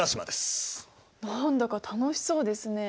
何だか楽しそうですね。